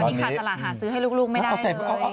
นี่ขาดตลาดหาซื้อให้ลูกไม่ได้เลย